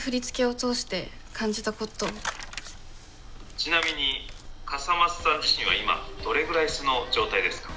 「ちなみに笠松さん自身は今どれぐらい素の状態ですか？」。